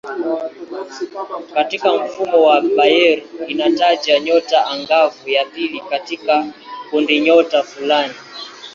Katika mfumo wa Bayer inataja nyota angavu ya pili katika kundinyota fulani.